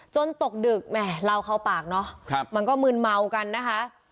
ตกดึกแหมเล่าเข้าปากเนาะมันก็มืนเมากันนะคะ